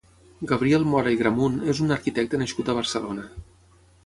Gabriel Mora i Gramunt és un arquitecte nascut a Barcelona.